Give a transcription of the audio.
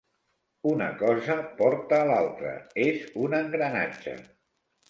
Una cosa porta l'altra: és un engranatge.